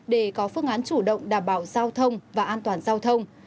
để có phương án chủ động đảm bảo giao thông và an toàn giao thông